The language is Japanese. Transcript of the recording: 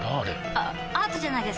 あアートじゃないですか？